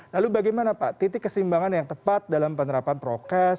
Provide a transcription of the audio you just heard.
lalu bagaimana pak titik kesimbangan yang tepat dalam penerapan prokes